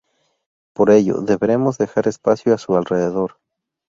Por ello, deberemos dejar espacio a su alrededor.